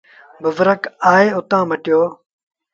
بزرگ آئي اُتآن کآݩ مٽيو۔